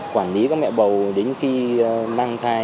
quản lý các mẹ bầu đến khi mang thai